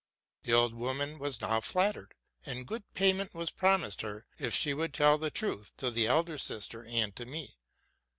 The old woman was now flattered, and good payment was promised her if she would tell the truth to the elder sister and tome.